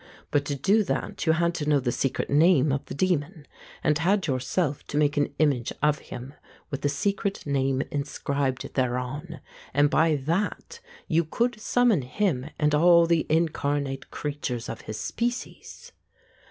But to do that you had to know the secret name of the demon, and had your self to make an image of him, with the secret name inscribed thereon, and by that you could summon him and all the incarnate creatures of his species.